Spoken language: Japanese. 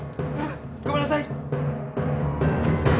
ごめんなさい！